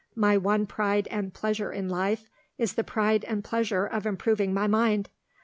My one pride and pleasure in life is the pride and pleasure of improving my mind.